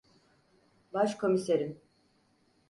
Başkomiserim.